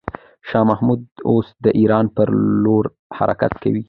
شاه محمود اوس د ایران پر لور حرکت کوي.